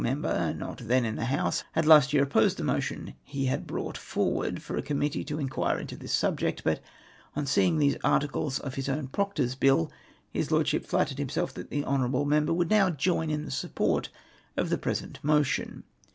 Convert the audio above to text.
member, not then in the house, had last year opposed the motion he had brought forward, for a Committee to inquire into this subject; but, on seeing these articles of this his own Proctor's bill, his Lordship flattered himself that the hon. member would noAV join in the support of the present motion.